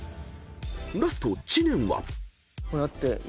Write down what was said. ［ラスト知念は］